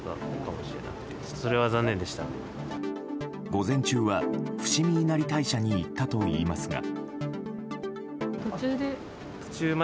午前中は伏見稲荷大社に行ったといいますが。